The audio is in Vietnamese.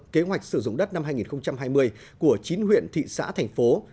kế hoạch sử dụng đất năm hai nghìn hai mươi của chín huyện thị xã thành phố